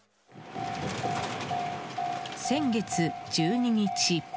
先月１２日。